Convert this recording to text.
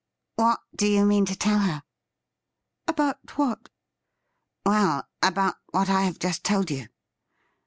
' What do you mean to tell her i"' 'About what.?' 'Well, about what I have just told you.'